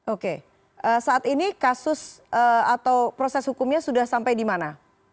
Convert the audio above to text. oke saat ini kasus atau proses hukumnya sudah sampai di mana